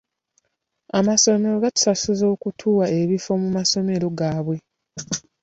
Amasomero gatusasuza okutuwa ebifo mu masomero gaabwe.